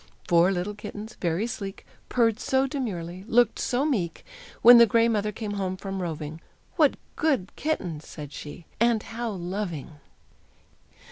Four little kittens, very sleek, Purred so demurely, looked so meek, When the gray mother came home from roving "What good kittens!" said she; "and how loving!"